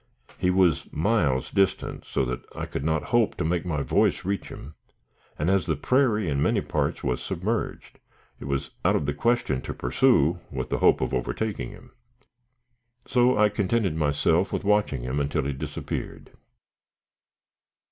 He was miles distant, so that I could not hope to make my voice reach him; and as the prairie in many parts was submerged, it was out of the question to pursue with the hope of overtaking him. So I contented myself with watching him until he disappeared.